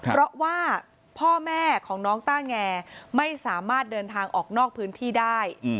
เพราะว่าพ่อแม่ของน้องต้าแงไม่สามารถเดินทางออกนอกพื้นที่ได้